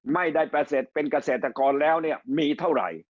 ไม่ได้ประเศษเป็นเกษตรกรแล้วเนี้ยมีเท่าไร